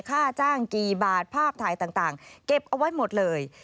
ค่าจ้างกี่บาทภาพถ่ายต่างเก็บเอาไว้หมดเลย